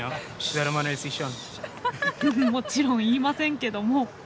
もちろん言いませんけども。